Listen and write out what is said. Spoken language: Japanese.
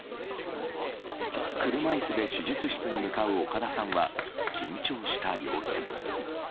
車椅子で手術室に向かう岡田さんは緊張した様子。